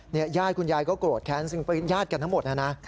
ญาติคุณยายก็โกรธแค้นซึ่งเป็นญาติกันทั้งหมดนะนะ